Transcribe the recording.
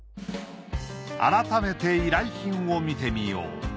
改めて依頼品を見てみよう。